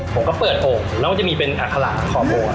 ผมก็เปิดโอบแล้วมันจะมีเป็นอาคาราขอบโบ